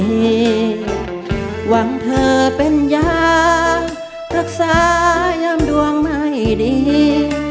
หวังเธอเป็นอย่างรักษายามดวงไม่ดี